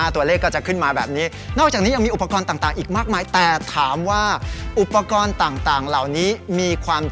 ตัวเลขก็จะขึ้นมาแบบนี้